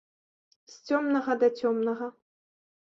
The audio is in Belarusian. З цёмнага да цёмнага.